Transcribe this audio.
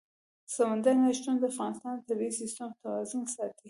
سمندر نه شتون د افغانستان د طبعي سیسټم توازن ساتي.